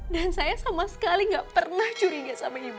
dan saya sama sekali enggak pernah curiga sama ibu